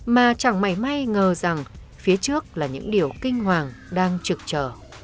mà chẳng mảy may ngờ rằng phía trước là những điều kinh hoàng đang trực trở